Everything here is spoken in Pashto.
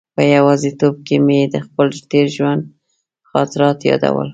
په یوازې توب کې مې د خپل تېر ژوند خاطرات یادول.